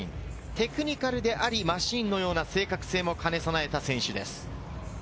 テクニカルであり、マシンのような正確性も兼ね備えた選手です。